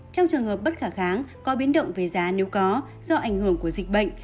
trong trường hợp bất khả kháng có biến động về giá nếu có do ảnh hưởng của dịch bệnh